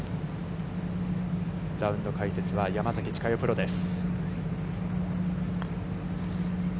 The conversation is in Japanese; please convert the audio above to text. ラウンド解説は山崎千佳代プロです。